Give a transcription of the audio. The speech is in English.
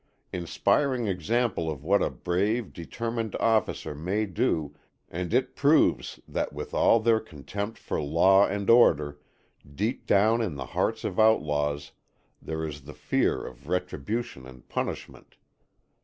Inspiring example of what a brave, determined officer may do and it proves that with all their contempt for law and order deep down in the hearts of outlaws there is the fear of retribution and punishment.